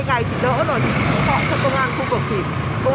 thế sau hai ngày chị đỡ rồi thì chị cũng gọi cho công an khu vực